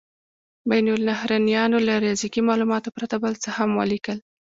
بین النهرینیانو له ریاضیکي مالوماتو پرته بل څه هم ولیکل.